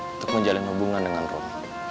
untuk menjalin hubungan dengan roni